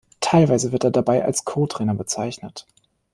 Teilweise wird er dabei als Co-Trainer bezeichnet.